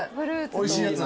おいしいやつ。